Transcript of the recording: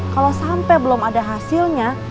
kalau sampai belum ada hasilnya